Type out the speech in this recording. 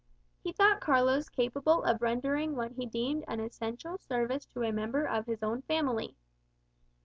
He thought Carlos capable of rendering what he deemed an essential service to a member of his own family.